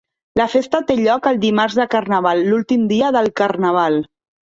La festa té lloc el dimarts de Carnaval, l'últim dia del carnaval.